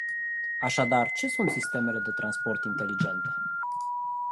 Așadar, ce sunt sistemele de transport inteligente?